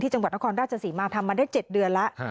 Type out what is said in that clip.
จังหวัดนครราชศรีมาทำมาได้๗เดือนแล้ว